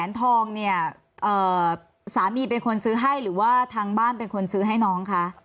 ทองเนี่ยสามีเป็นคนซื้อให้หรือว่าทางบ้านเป็นคนซื้อให้น้องคะ